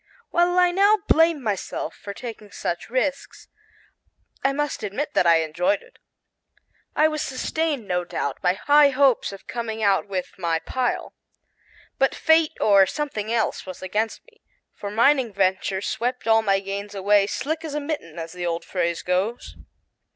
While I now blame myself for taking such risks, I must admit that I enjoyed it. I was sustained, no doubt, by high hopes of coming out with my "pile." But fate or something else was against me, for mining ventures swept all my gains away "slick as a mitten," as the old phrase goes.